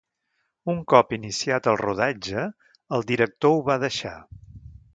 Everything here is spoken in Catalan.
Un cop iniciat el rodatge, el director ho va deixar.